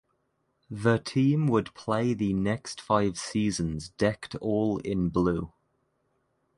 The team would play the next five seasons decked all in blue.